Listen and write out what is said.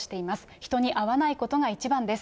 人に会わないことが一番です。